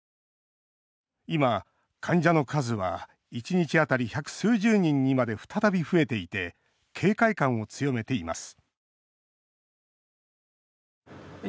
今、患者の数は１日当たり百数十人にまで再び増えていて警戒感を強めています